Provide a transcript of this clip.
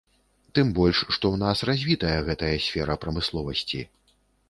Тым больш што ў нас развітая гэтая сфера прамысловасці.